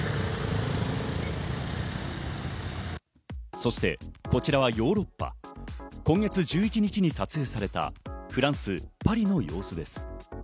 そしてこちらはヨーロッパ、今月１１日に撮影されたフランス・パリの様子です。